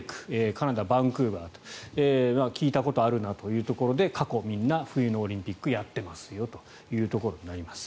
カナダのバンクーバーと聞いたことあるなというところで過去、みんな冬のオリンピックをやっていますよというところになります。